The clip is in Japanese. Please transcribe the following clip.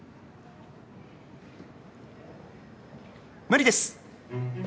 無理です。